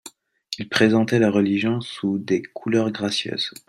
Il présentait la Religion sous des couleurs gracieuses.